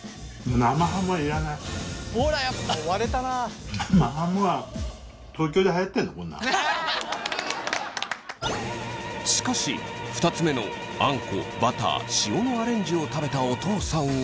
生ハムはしかし２つ目のあんこバター塩のアレンジを食べたお父さんは。